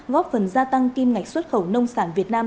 góp phần gia tăng kim ngạch xuất khẩu nông sản việt nam